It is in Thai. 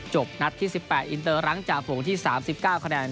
นัดที่๑๘อินเตอร์หลังจากฝูงที่๓๙คะแนน